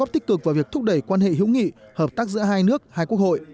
tích cực vào việc thúc đẩy quan hệ hữu nghị hợp tác giữa hai nước hai quốc hội